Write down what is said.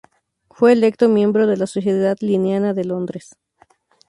Fue electo miembro de la Sociedad linneana de Londres